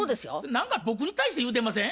何か僕に対して言うてません？